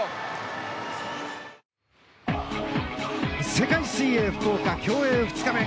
世界水泳福岡競泳２日目。